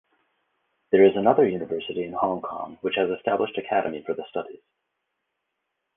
There is another university in Hong Kong which has established academy for the studies.